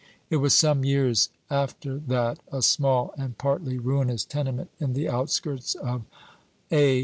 It was some years after that a small and partly ruinous tenement in the outskirts of A.